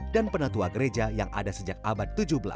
dan penatua gereja yang ada sejak abad tujuh belas